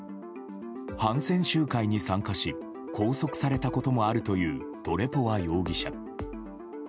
反戦集会に参加し拘束されたこともあるというトレポワ容疑者。